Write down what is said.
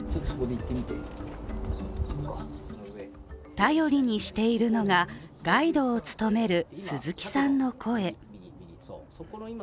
頼りにしているのが、ガイドを務める鈴木さんの声。